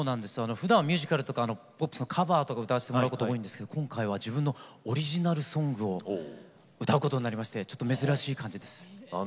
ふだんはミュージカルとかポップスのカバーとか歌わせてもらうことが多いんですけど今回は自分のオリジナルソングを歌うことになりましてちょっと珍しい感じです。